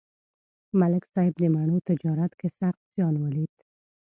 ملک صاحب د مڼو تجارت کې سخت زیان ولید